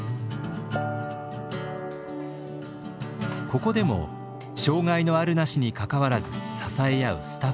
ここでも障害のあるなしにかかわらず支え合うスタッフたち。